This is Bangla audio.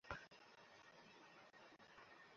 তুই জিতে গিয়েছিস!